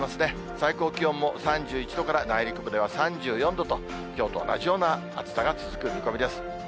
最高気温も３１度から、内陸部では３４度と、きょうと同じような暑さが続く見込みです。